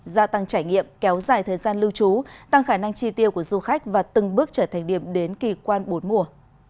gia tăng trải nghiệm kéo dài thời gian lưu trú tăng khả năng tri tiêu của du khách và từng bước trở thành điểm đến kỳ quan bốn mùa